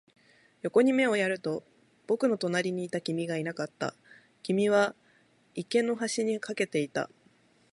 横に目をやると、僕の隣にいた君がいなかった。君は生垣の端に駆けていた。